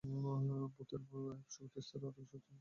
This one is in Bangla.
ভূতের মতো এক শক্তিস্তর থেকে আরেক শক্তিস্তরে উদয় হয় ইলেকট্রন।